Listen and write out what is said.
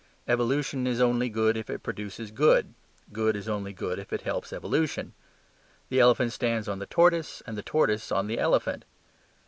Evolution is only good if it produces good; good is only good if it helps evolution. The elephant stands on the tortoise, and the tortoise on the elephant.